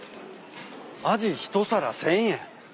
アジ一皿１，０００円。